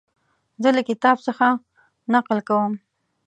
زه له کتاب څخه نقل کوم.